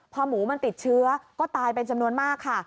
พอหมูมันติดเชื้อก็ตายเป็นจำนวนมากค่ะ